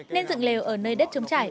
nên dựng lều ở nơi đất trống trải